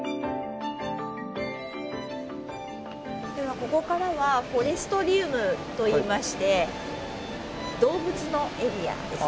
ではここからはフォレストリウムといいまして動物のエリアですね。